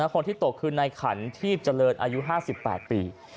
คนที่ตกคือในขันทีพเจริญอายุ๕๘ปี